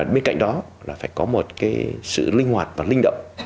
bên cạnh đó là phải có một sự linh hoạt và linh động